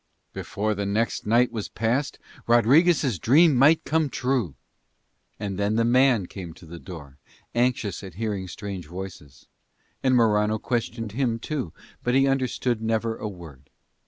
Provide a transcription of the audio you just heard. Before the next night was passed Rodriguez' dream might come true! And then the man came to the door anxious at hearing strange voices; and Morano questioned him too, but he understood never a word.